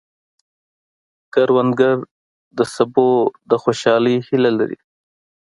کروندګر د سبو د خوشحالۍ هیله لري